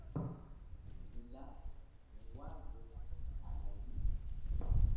Lila nyi waze ana lila.